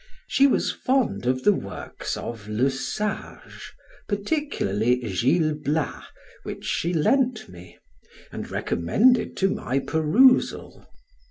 She was fond of the works of Le Sage, particularly Gil Blas, which she lent me, and recommended to my perusal.